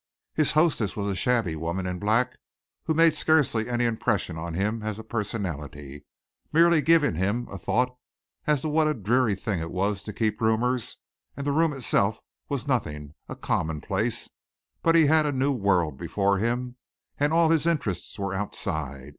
His hostess was a shabby woman in black who made scarcely any impression on him as a personality, merely giving him a thought as to what a dreary thing it was to keep roomers and the room itself was nothing, a commonplace, but he had a new world before him and all his interests were outside.